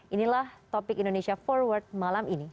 inilah topik indonesia forward malam ini